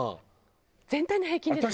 全体の平均ですもんね。